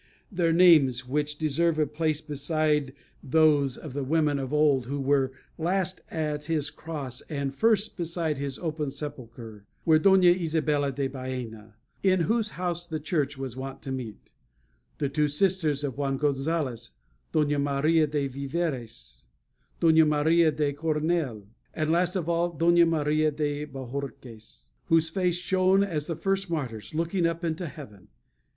Their names which deserve a place beside those of the women of old who were last at his cross and first beside his open sepulchre were, Doña Isabella de Baena, in whose house the church was wont to meet; the two sisters of Juan Gonsalez; Doña Maria de Virves; Doña Maria de Cornel; and, last of all, Doña Maria de Bohorques, whose face shone as the first martyr's, looking up into heaven.